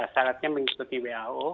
syaratnya mengikuti who